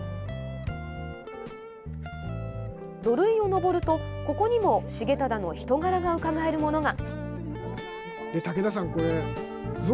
土塁を上ると、ここにも重忠の人柄がうかがえるものが。